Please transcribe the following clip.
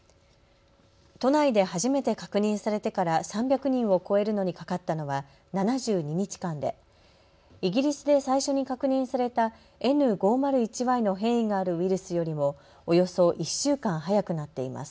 都内で初めて確認されてから３００人を超えるのにかかったのは７２日間でイギリスで最初に確認されたＮ５０１Ｙの変異があるウイルスよりもおよそ１週間早くなっています。